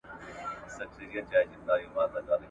په کاله کی یې لوی کړي ځناور وي !.